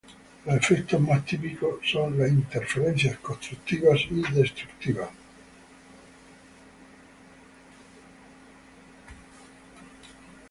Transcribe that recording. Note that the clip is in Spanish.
Los efectos más típicos son las interferencias constructivas y destructivas.